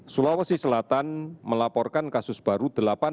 sulawesi selatan melaporkan kasus baru delapan